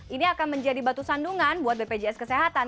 ini akan menjadi batu sandungan buat bpjs kesehatan